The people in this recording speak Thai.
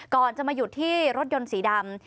ก่อนจะมาหยุดที่รถยนต์สีดำ